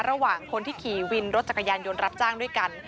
ระหว่างคนที่ขี่วินรถจักรยานยนต์รับจ้างด้วยกัน